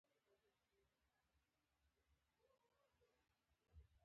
تیمورشاه به پر هند یرغل کوي.